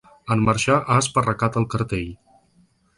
En marxar ha esparracat el cartell.